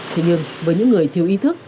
thế nhưng với những người thiếu ý thức